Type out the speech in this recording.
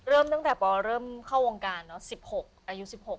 เริ่มตั้งแต่ปเริ่มเข้าวงการเนอะ๑๖อายุ๑๖